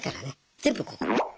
全部ここ。